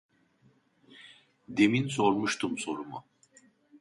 Demin sormuştum sorumu